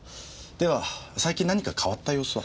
では最近何か変わった様子は？